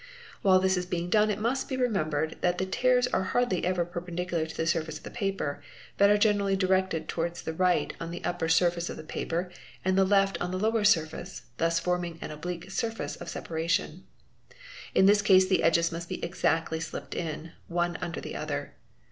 While this is being done it must be remembered that the tears are hardly ever perpendicular to the surface of the paper, ut are generally directed towards the right on the upper surface of the japer and the left on the lower surface, thus forming an oblique surface as FF RIAL CNA AAI IE PRN TARE EERE EE SOE Separation. In this case the edges must be exactly slipped in, one ler the other.